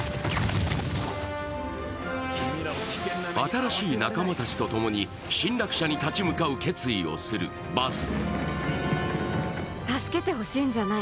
新しい仲間たちと共に侵略者に立ち向かう決意をするバズ。